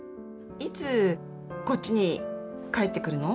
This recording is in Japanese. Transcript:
いつこっちに帰ってくるの？